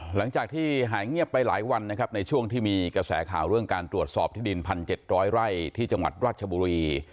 หลังจากที่หายเงียบไปหลายวันนะครับในช่วงที่มีกระแสข่าวเรื่องการตรวจสอบที่ดิน๑๗๐๐ไร่ที่จังหวัดราชบุรี